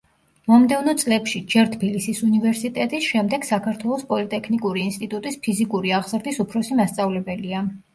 მომდევნო წლებში, ჯერ თბილისის უნივერსიტეტის, შემდეგ საქართველოს პოლიტექნიკური ინსტიტუტის ფიზიკური აღზრდის უფროსი მასწავლებელია.